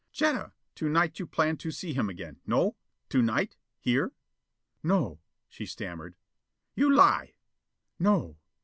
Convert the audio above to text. "Jetta, to night you plan to see him again, no? To night? here?" "No," she stammered. "You lie!" "No."